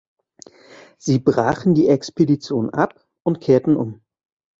Sie brachen die Expedition ab und kehrten um.